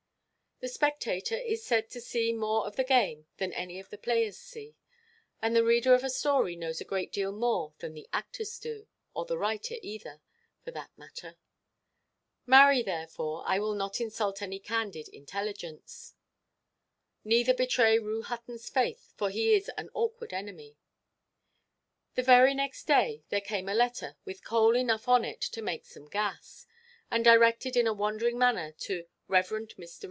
The spectator is said to see more of the game than any of the players see, and the reader of a story knows a great deal more than the actors do, or the writer either, for that matter; marry, therefore, I will not insult any candid intelligence, neither betray Rue Huttonʼs faith, for he is an awkward enemy. The very next day there came a letter, with coal enough on it to make some gas, and directed in a wandering manner to "Rev. Mr.